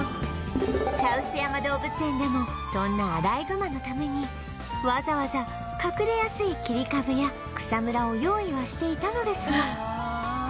茶臼山動物園でもそんなアライグマのためにわざわざ隠れやすい切り株や草むらを用意はしていたのですが